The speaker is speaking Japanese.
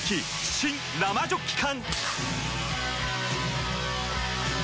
新・生ジョッキ缶！